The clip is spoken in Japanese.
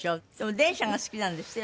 電車が好きなんですって？